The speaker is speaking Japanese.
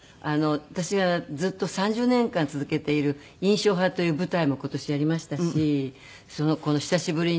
私がずっと３０年間続けている『印象派』という舞台も今年やりましたし久しぶりに。